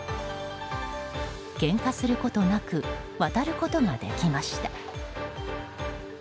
けんかすることなく渡ることができました。